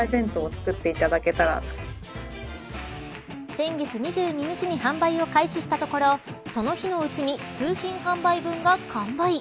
先月２２日に販売を開始したところその日のうちに通信販売分が完売。